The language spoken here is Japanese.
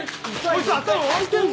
こいつ頭わいてんぞ